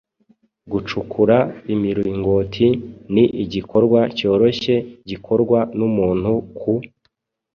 Gucukura imiringoti ni igikorwa cyoroshye gikorwa n’umuntu ku